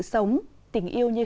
tập tập nhé